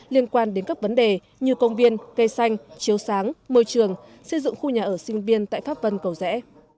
liên quan đến các vấn đề như công viên cây xanh chiếu sáng môi trường xây dựng khu nhà ở sinh viên tại pháp vân cầu rẽ